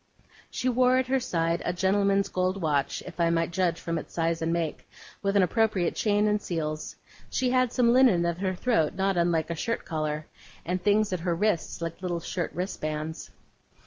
She wore at her side a gentleman's gold watch, if I might judge from its size and make, with an appropriate chain and seals; she had some linen at her throat not unlike a shirt collar, and things at her wrists like little shirt wristbands.